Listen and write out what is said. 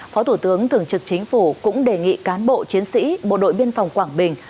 phó thủ tướng thường trực chính phủ cũng đề nghị cán bộ chiến sĩ bộ đội biên phòng quảng bình